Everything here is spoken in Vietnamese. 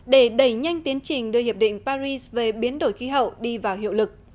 để đẩy nhanh tiến trình đưa hiệp định paris về biến đổi khí hậu đi vào hiệu lực